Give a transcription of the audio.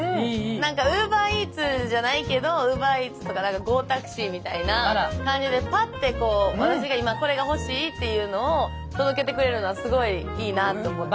何かＵｂｅｒＥａｔｓじゃないけどＵｂｅｒＥａｔｓとかＧＯタクシーみたいな感じでパッてこう私が今これが欲しいっていうのを届けてくれるのはすごいいいなと思ってます。